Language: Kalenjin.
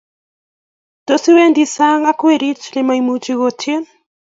tos iwe sang ak werit nema imuch kotien